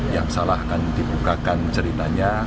yang salah akan dibukakan ceritanya